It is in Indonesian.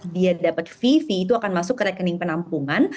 dia dapat vv itu akan masuk ke rekening penampungan